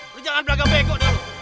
lu jangan beragam bego deh lu